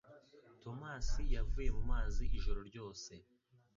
Tomasi yavuye mumazi ijoro ryose